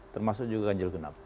termasuk juga kanjil kenap